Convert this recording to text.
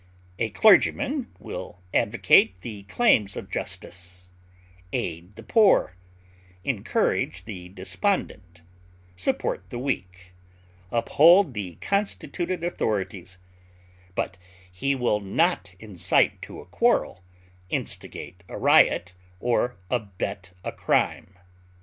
A clergyman will advocate the claims of justice, aid the poor, encourage the despondent, support the weak, uphold the constituted authorities; but he will not incite to a quarrel, instigate a riot, or abet a crime.